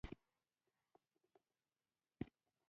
د افغانستان د اقتصادي پرمختګ لپاره پکار ده چې لابراتوارونه جوړ شي.